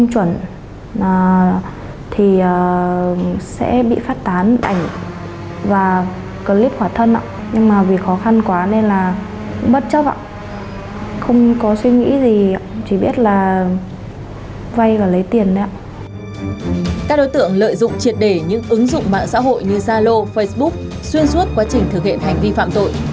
các đối tượng lợi dụng triệt đề những ứng dụng mạng xã hội như zalo facebook xuyên suốt quá trình thực hiện hành vi phạm tội